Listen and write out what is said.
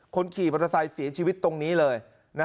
คนขี่มอเตอร์ไซค์เสียชีวิตตรงนี้เลย